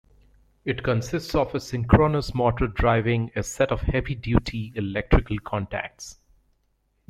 It consists of a synchronous motor driving a set of heavy-duty electrical contacts.